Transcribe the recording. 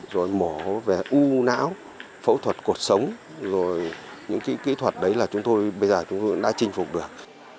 rồi mổ về u não phẫu thuật cột sống rồi những kỹ thuật đấy là chúng tôi bây giờ đã chinh phục được